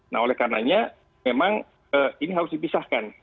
nah oleh karenanya memang ini harus dipisahkan